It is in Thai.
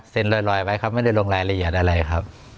ลอยไว้ครับไม่ได้ลงรายละเอียดอะไรครับ